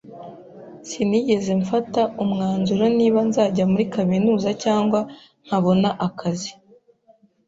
Sinigeze mfata umwanzuro niba nzajya muri kaminuza cyangwa nkabona akazi.